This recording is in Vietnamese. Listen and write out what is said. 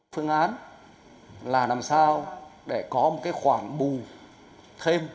phương án là làm sao để có một khoản bù thêm